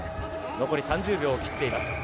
残り３０秒を切っています。